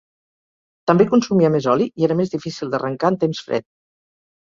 També consumia més oli, i era més difícil d'arrencar en temps fred.